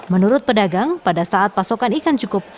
menurut pedagang pada saat pasokan ikan cukup